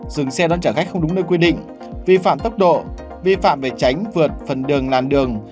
dừng xe đón trả khách không đúng nơi quy định vi phạm tốc độ vi phạm để tránh vượt phần đường làn đường